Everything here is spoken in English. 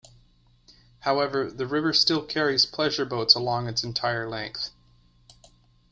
However, the river still carries pleasure boats along its entire length.